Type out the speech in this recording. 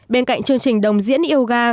bên cạnh chương trình đồng diễn yoga